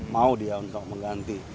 mau dia untuk mengganti